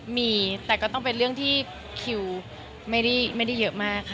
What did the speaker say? มีแต่ก็ต้องเป็นเรื่องที่คิวไม่ได้เยอะมากค่ะ